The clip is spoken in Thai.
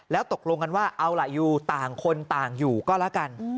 แล้วตกลงกันว่าเอาล่ะอยู่ต่างคนต่างอยู่ก็แล้วกัน